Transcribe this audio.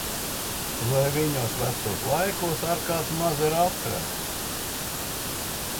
Vai viņos vecos laikos ar kāds maz ir atradis!